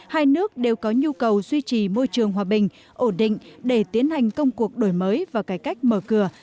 hai nước đều có nhu cầu duy trì môi trường hòa bình ổn định để tiến hành công cuộc đổi mới và cải cách mở cửa